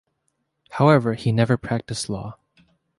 However, he never practiced law.